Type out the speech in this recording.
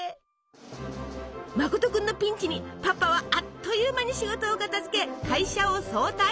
まこと君のピンチにパパはあっという間に仕事を片づけ会社を早退！